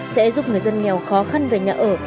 sẽ giúp người dân nghèo khó khăn về nhà ở